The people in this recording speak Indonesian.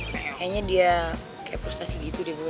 kayaknya dia kayak prustasi gitu deh boy